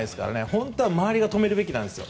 本当は周りが止めるべきなんですよ。